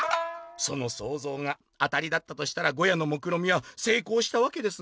「そのそうぞうが当たりだったとしたらゴヤのもくろみはせいこうしたわけですね。